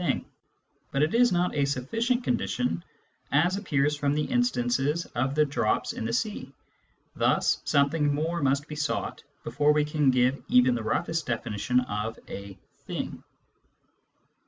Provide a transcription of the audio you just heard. thing. But it isjipt.ajaj^o^t^ c ondition , as a ppears from the instance of the dr ops in the sea. 1 hul sometnmg more must be sought before we can give even the roughest definition of a " thing."